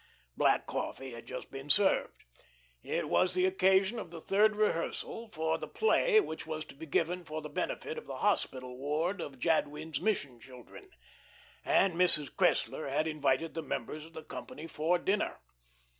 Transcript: Black coffee had just been served. It was the occasion of the third rehearsal for the play which was to be given for the benefit of the hospital ward for Jadwin's mission children, and Mrs. Cressler had invited the members of the company for dinner.